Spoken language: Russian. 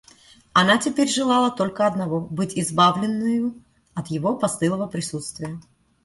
Она теперь желала только одного — быть избавленною от его постылого присутствия.